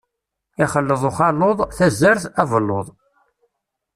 Ixleḍ uxaluḍ, tazart, abelluḍ.